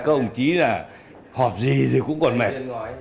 các ông chí là họp gì thì cũng còn mệt